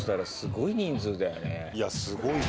いや、すごいよ。